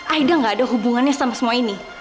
aida gak ada hubungannya sama semua ini